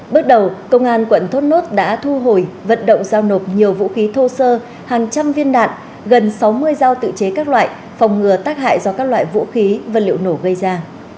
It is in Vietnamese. bước đầu công an quận thốt nốt đã thu hồi vận động giao nộp nhiều vũ khí thô sơ hàng trăm viên đạn gần sáu mươi dao tự chế các loại phòng ngừa tác hại do các loại vũ khí và liệu nổ gây ra